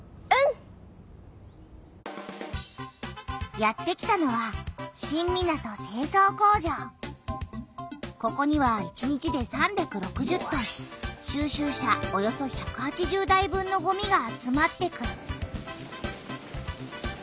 やってきたのはここには１日で３６０トン収集車およそ１８０台分のごみが集まってくる。